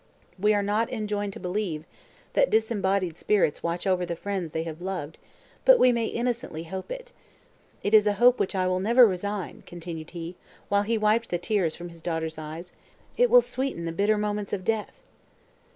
We are not enjoined to believe, that disembodied spirits watch over the friends they have loved, but we may innocently hope it. It is a hope which I will never resign," continued he, while he wiped the tears from his daughter's eyes, "it will sweeten the bitter moments of death!"